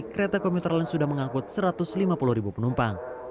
kereta komuter lain sudah mengangkut satu ratus lima puluh ribu penumpang